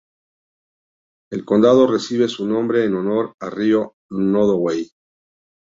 El condado recibe su nombre en honor al rio Nodaway.